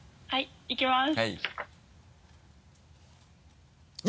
はいいきます。